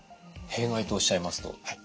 弊害とおっしゃいますと？